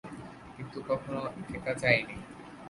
কিন্তু কখনো একা যাইনি।